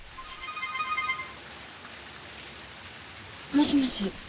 もしもし。